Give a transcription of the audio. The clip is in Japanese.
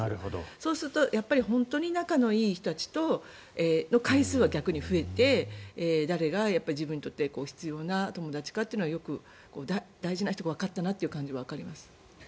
そうすると本当に仲のいい人たちとの回数は逆に増えて誰が自分にとって必要な友達か大事な人がわかったなという感じがします。